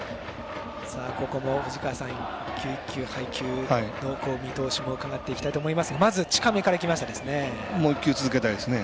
ここも藤川さん一球一球、配球の見通しも見通しも伺っていきたいと思いますが、まずはもう１球続けたいですね。